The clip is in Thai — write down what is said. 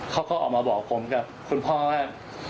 เขาก็ออกมาบอกผมกับคุณพ่อว่า